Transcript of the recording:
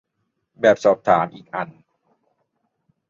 แบบสอบถาม อีกอัน